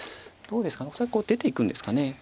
どうですか恐らく出ていくんですかね。